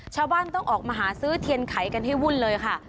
ชาวบ้านต้องออกมาหาซื้อเทียนไขกันให้วุ่นเลยค่ะ